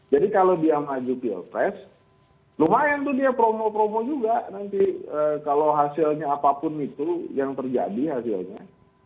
jadi kalau dia maju pilpres lumayan tuh dia promo promo juga nanti kalau hasilnya apapun itu yang terjadi hasilnya